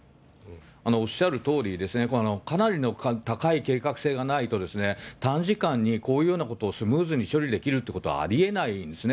おっしゃるとおりですね、かなりの高い計画性がないと、短時間に、こういうようなことをスムーズに処理できるということはありえないんですね。